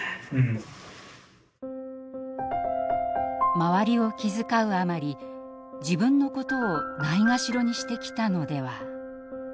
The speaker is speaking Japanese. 周りを気遣うあまり自分のことをないがしろにしてきたのでは。